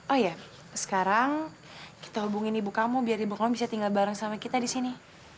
oh iya sekarang kita hubungin ibu kamu biar ibu kamu bisa tinggal bareng sama kita di sini